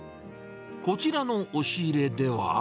こちらの押し入れでは。